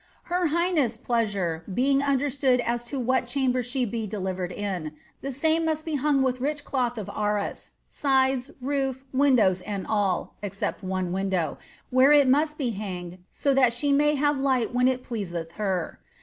" Her highness' pleasure beiii(f un (ieratuud an to wliat chwnbet she be delivered in, the same must be huiq; with rich cloth of arms, sides, roof, windows and all, except one window, where it roust be hanged so that she may have light when it pleaseih !iei.